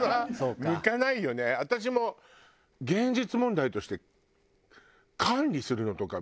私も現実問題として管理するのとかもうイヤだもん。